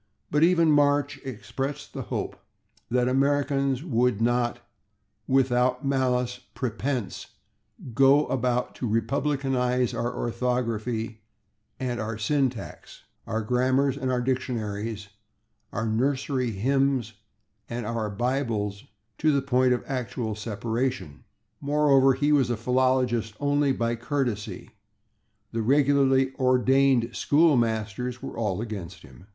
But even Marsh expressed the hope that Americans would not, "with malice prepense, go about to republicanize our orthography and our syntax, our grammars and our dictionaries, our nursery hymns (/sic/) and our Bibles" to the point of actual separation. Moreover, he was a philologist only by courtesy; the regularly ordained school masters were all against him.